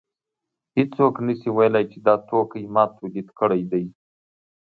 هېڅوک نشي ویلی چې دا توکی ما تولید کړی دی